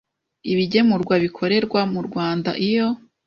ibigemurwa bikorerwa mu Rwanda iyo